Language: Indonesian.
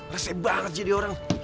resip banget jadi orang